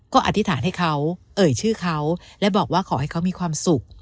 ก็อธิษฐานให้เขาเอ่ยชื่อเขาและบอกว่าขอให้เขามีความสุข